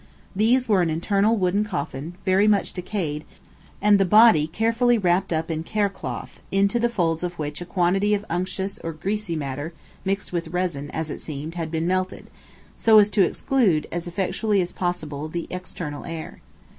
These were an internal wooden coffin, very much decayed, and the body carefully wrapped up in cerecloth, into the folds of which a quantity of unctuous or greasy matter, mixed with resin, as it seemed, had been melted, so as to exclude, as effectually as possible, the external air.